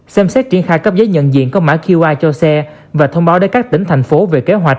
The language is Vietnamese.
xem xét triển khai cấp giấy nhận diện có mã qr cho xe và thông báo đến các tỉnh thành phố về kế hoạch